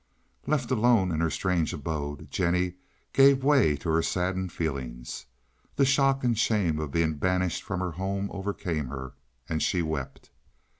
Left alone in her strange abode, Jennie gave way to her saddened feelings. The shock and shame of being banished from her home overcame her, and she wept.